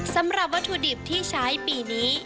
สำหรับวัตถุดิบที่ใช้ปีนี้